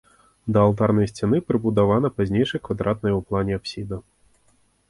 Да алтарнай сцяны прыбудавана пазнейшая квадратная ў плане апсіда.